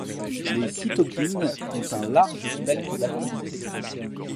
Les cytokines ont un large spectre d’activité.